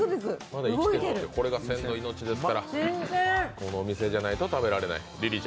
これが鮮度命だから、このお店じゃなきゃ食べられない。